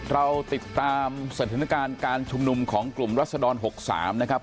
เราติดตามสถานการณ์การชุมนุมของกลุ่มรัศดร๖๓นะครับ